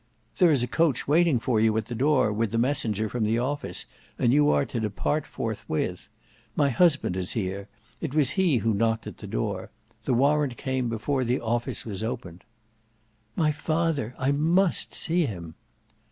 "There is a coach waiting for you at the door with the messenger from the office, and you are to depart forthwith. My husband is here, it was he who knocked at the door. The warrant came before the office was opened." "My father! I must see him."